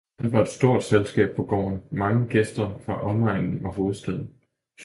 Der var stort selskab på gården, mange gæster fra omegnen og hovedstaden.